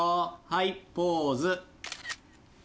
はいポーズ。